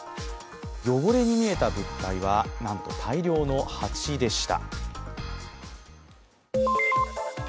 汚れに見えた物体はなんと大量の蜂でした。